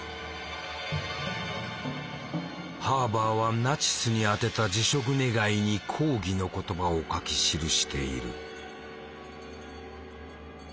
ハーバーはナチスに宛てた辞職願に抗議の言葉を書き記している。